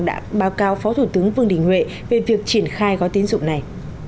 đã báo cáo phó thủ tướng vương đình huệ về việc triển khai gói tín dụng này